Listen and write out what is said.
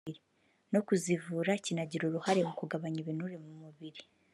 no kuzivura kinagira uruhare mu kugabanya ibinure mu mubiri